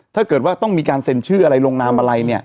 ถ้าเกิดว่าต้องมีการเซ็นชื่ออะไรลงนามอะไรเนี่ย